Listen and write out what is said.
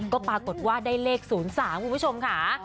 ก็ปรากฏว่าได้เลข๐๓คุณผู้ชมค่ะ